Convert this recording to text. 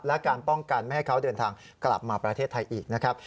และการป้องกันไม่ให้เขาเดินทางกลับมาประเทศไทยอีกนะครับ